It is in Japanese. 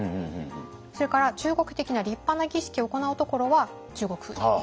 それから中国的な立派な儀式を行うところは中国風。